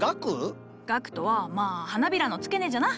萼とはまあ花びらの付け根じゃな。